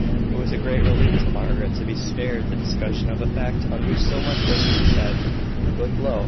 It was a great relief to Margaret to be spared the discussion of a fact, on which so much was to be said; but lo!